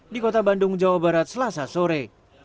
di kota bandung jawa barat selasa sore